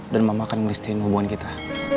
dan mama akan melistir hubungan kita